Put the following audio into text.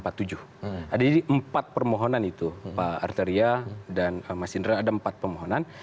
ada empat permohonan itu pak arteria dan mas indra ada empat permohonan